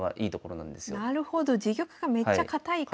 なるほど自玉がめっちゃ堅いから。